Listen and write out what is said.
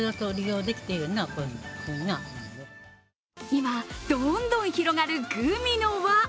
今、どんどん広がるグミの輪。